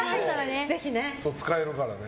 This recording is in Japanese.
使えますからね。